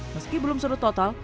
meski belum surut total